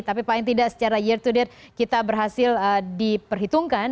tapi paling tidak secara year to date kita berhasil diperhitungkan